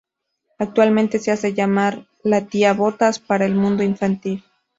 Actualmente se hace llamar "La Tía Botas" para el mundo infantil.